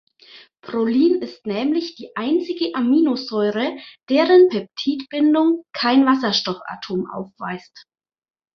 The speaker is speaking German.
Prolin ist nämlich die einzige Aminosäure, deren Peptidbindung kein Wasserstoffatom aufweist.